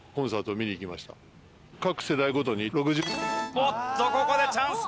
おっとここでチャンスだ。